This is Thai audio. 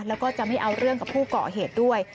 แล้วก็จะไม่เอาเรื่องกับผู้ก่อเหตุด้วย